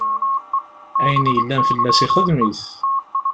Ayen yellan fell-as ixdem-it.